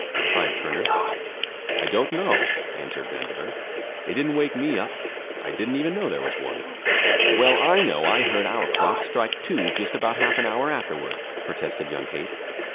cried Turner. "I don't know," answered Vandover. "It didn't wake me up. I didn't even know there was one." "Well, I know I heard our clock strike two just about half an hour afterward," protested young Haight.